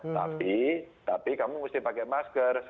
tapi tapi kamu mesti pakai masker